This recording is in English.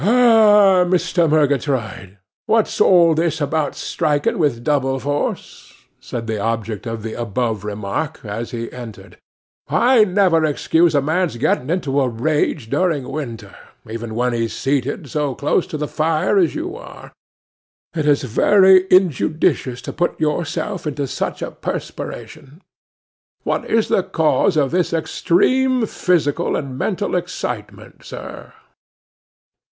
'Ah, Mr. Murgatroyd! what's all this about striking with double force?' said the object of the above remark, as he entered. 'I never excuse a man's getting into a rage during winter, even when he's seated so close to the fire as you are. It is very injudicious to put yourself into such a perspiration. What is the cause of this extreme physical and mental excitement, sir?